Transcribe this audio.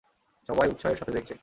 সবাই উৎসাহের সাথে দেখছে।